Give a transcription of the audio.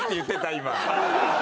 今。